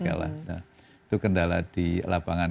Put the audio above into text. itu kendala di lapangan